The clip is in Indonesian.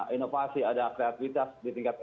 inovasi ada kreativitas di tingkat